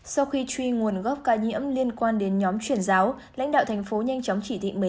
sau khi truy nguồn gốc ca nhiễm liên quan đến nhóm chuyển giáo lãnh đạo thành phố nhanh chóng chỉ thị một mươi tám